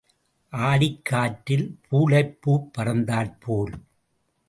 ஆடிக் காற்றில் பூளைப்பூப் பறந்தாற்போல்.